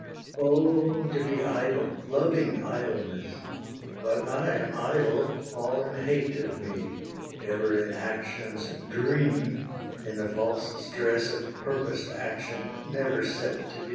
IX. Oh to be idle loving idleness! But I am idle all in hate of me; Ever in action's dream, in the false stress Of purposed action never set to be.